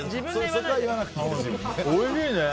おいしいね。